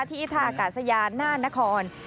ที่อิทธากาศยานณนคร